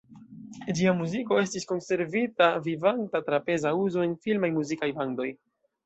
Ĝia muziko estis konservita vivanta tra peza uzo en filmaj muzikaj bandoj.